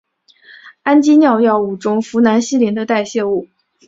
氨基脲药物中呋喃西林的代谢物。